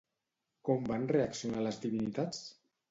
Com van reaccionar les divinitats?